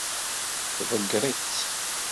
Tḍeggeṛ-itt.